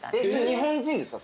日本人ですか？